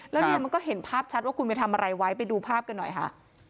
แล้วเนี่ยมันก็เห็นภาพชัดว่าคุณไปทำอะไรไว้ไปดูภาพกันหน่อยค่ะ